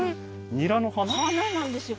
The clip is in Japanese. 花なんですよ